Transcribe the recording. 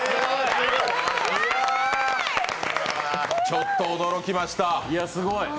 ちょっと驚きました。